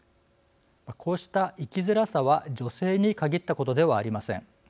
こうした生きづらさは女性に限ったことではありません。